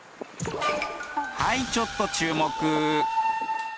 はいちょっと注目！